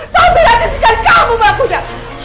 tante rati sikari kamu pelakunya